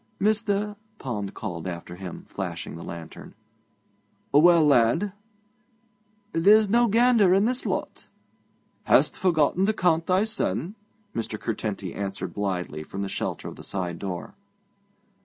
'Mester!' Pond called after him, flashing the lantern. 'Well, lad?' 'There's no gander i' this lot.' 'Hast forgotten to count thysen?' Mr. Curtenty answered blithely from the shelter of the side door.